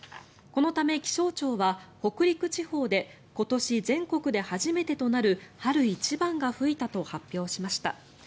このため気象庁は北陸地方で今年全国で初めてとなる春一番が吹いたと発表しました。